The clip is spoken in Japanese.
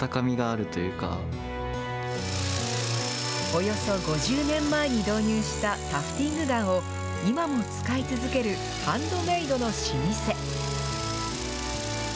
およそ５０年前に導入したタフティングガンを、今も使い続けるハンドメイドの老舗。